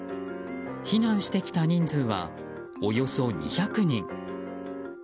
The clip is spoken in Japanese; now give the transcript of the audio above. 避難してきた人数はおよそ２００人。